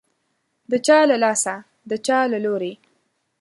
د چا له لاسه، د چا له لوري